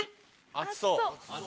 熱そう。